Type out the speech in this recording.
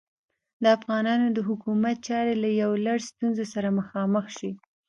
د افغانانو د حکومت چارې له یو لړ ستونزو سره مخامخې شوې.